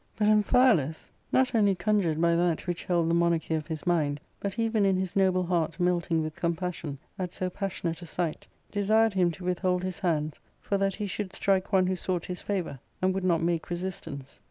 But Amphialus, not only conjured by that which held the monarchy of his mind, but even in his noble heart melting with compassion at so passionate a sight, desired him to withhold his hands, for that he should strike one who sought his favour, and would not make resistance.